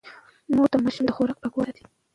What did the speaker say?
مور د ماشوم د خوراک پاکوالی ساتي.